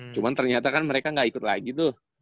cuman ternyata kan mereka ga ikut lagi tuh